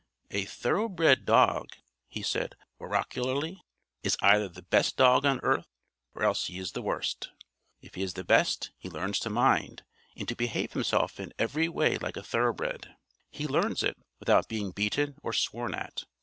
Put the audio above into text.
"A thoroughbred dog," he said oracularly, "is either the best dog on earth, or else he is the worst. If he is the best he learns to mind, and to behave himself in every way like a thoroughbred. He learns it without being beaten or sworn at.